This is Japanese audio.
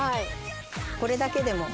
これだけでも。